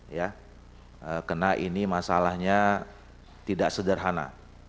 karena ini masalahnya tidak sederhana